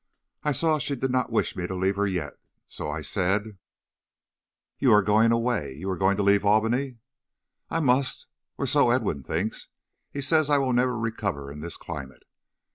"I saw she did not wish me to leave her yet; so I said: "'You are going away; you are going to leave Albany.' "'I must, or so Edwin thinks. He says I will never recover in this climate.'